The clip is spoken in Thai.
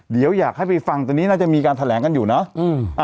เดี๋ยวอยากให้ไปฟังตอนนี้น่าจะมีการแถลงกันอยู่เนอะ